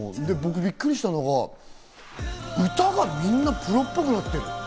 びっくりしたのは歌がみんなプロっぽくなってる。